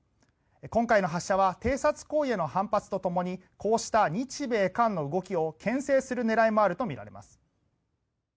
今回の発射は偵察行為への反発とともにこうした日米韓の動きをけん制する狙いもあるとみられます。